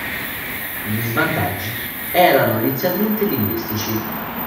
Gli svantaggi erano inizialmente linguistici.